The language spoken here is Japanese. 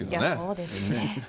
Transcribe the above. そうですね。